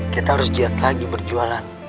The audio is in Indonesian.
kita harus lihat lagi berjualan